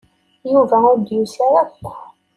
Yuba ur d-yusi ara akk.